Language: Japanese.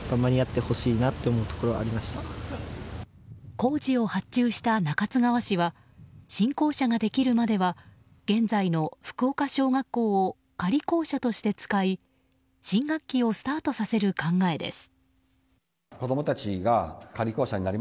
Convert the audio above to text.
工事を発注した中津川市は新校舎ができるまでは現在の福岡小学校を仮校舎として使い新学期をスタートさせる考えです。